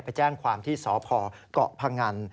ไปแจ้งความที่สอบพอกเกาะพังงัน